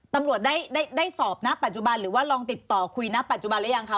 ตำรวจได้สอบนะปัจจุบันหรือว่าลองติดต่อคุยณปัจจุบันหรือยังคะ